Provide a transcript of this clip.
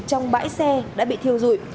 trong bãi xe đã bị thiêu dụi